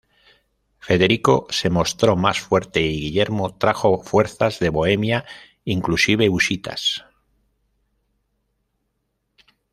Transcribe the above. Federico se mostró más fuerte y Guillermo trajo fuerzas de Bohemia, inclusive husitas.